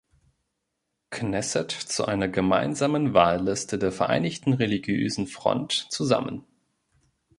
Knesset zu einer gemeinsamen Wahlliste, der Vereinigten Religiösen Front, zusammen.